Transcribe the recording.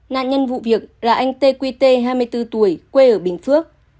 nạn nhân vụ việc là anh tê quy tê hai mươi bốn tuổi quê ở bình phước